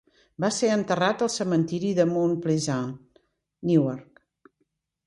Va ser enterrat al cementiri de Mount Pleasant, Newark.